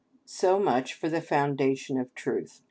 So much for the foundation of truth.